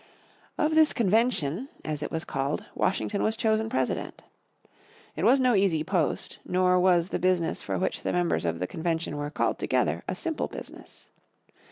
Of this Convention, as it was called, Washington was chosen President. It was no easy post, nor was the business for which the members of the Convention were called together a simple business.